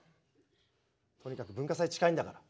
とにかく文化祭近いんだから。